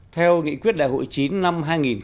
theo nghị quyết đại hội chín năm hai nghìn một